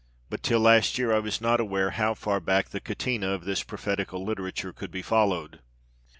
But till last year I was not aware how far back the catena of this prophetical literature could be followed.